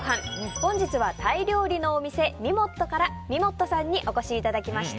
本日はタイ料理のお店みもっとからみもっとさんにお越しいただきました。